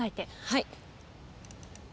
はい。